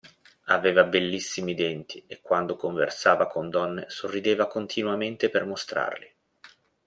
Aveva bellissimi denti e quando conversava con donne sorrideva continuamente per mostrarli.